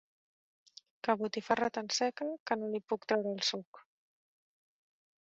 Que botifarra tan seca que no li puc traure el suc!